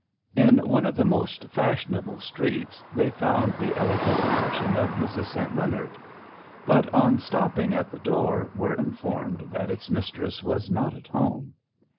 In one of the most fashionable streets they found the elegant mansion of Mrs. St. Leonard; but on stopping at the door, were informed that its mistress was not at home.